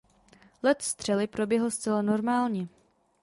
Let střely proběhl zcela normálně.